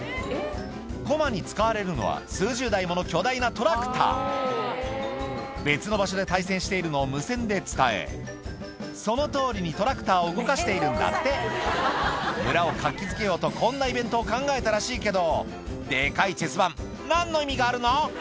駒に使われるのは数十台もの巨大なトラクター別の場所で対戦しているのを無線で伝えそのとおりにトラクターを動かしているんだって村を活気づけようとこんなイベントを考えたらしいけどデカいチェス盤何の意味があるの？